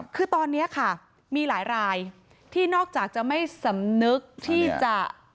คือตอนนี้ค่ะมีหลายรายที่นอกจากจะไม่สำนึกที่จะ